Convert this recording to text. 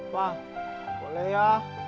pak boleh ya